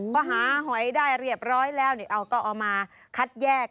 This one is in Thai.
พอหาหอยได้เรียบร้อยแล้วก็เอามาคัดแยก